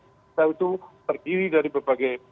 kita itu terdiri dari berbagai